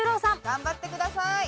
頑張ってください。